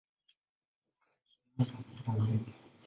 Hukaa chini na hula wadudu.